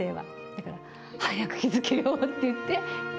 だから、早く気付けよって言って。